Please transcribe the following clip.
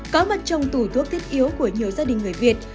có mặt trong tủ thuốc thiết yếu của nhiều gia đình người việt